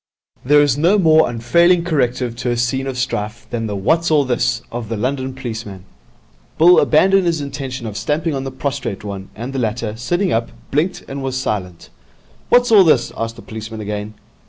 There is no more unfailing corrective to a scene of strife than the 'What's all this?' of the London policeman. Bill abandoned his intention of stamping on the prostrate one, and the latter, sitting up, blinked and was silent. 'What's all this?' asked the policeman again.